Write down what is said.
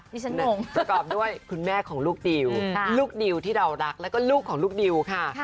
ประกอบด้วยคุณแม่ของลูกดิวลูกดิวที่เรารักแล้วก็ลูกของลูกดิวค่ะ